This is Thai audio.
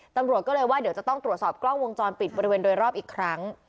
ตำรวจก็เลยว่าเดี๋ยวจะต้องตรวจสอบกล้องวงจรปิดบริเวณโดยรอบอีกครั้ง